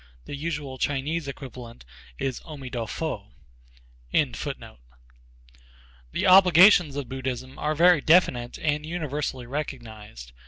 The usual Chinese equivalent is Omi To Fo.] the Merciful. The obligations of Buddhism are very definite and universally recognized.